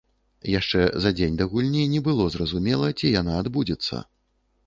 Яшчэ за дзень да гульні не было зразумела, ці яна адбудзецца.